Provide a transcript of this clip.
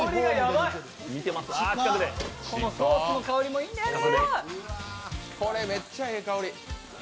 このソースの香りもいいんだよね。